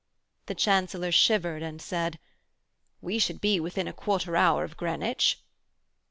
The Chancellor shivered and said, 'We should be within a quarter hour of Greenwich.'